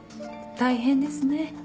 大変ですね。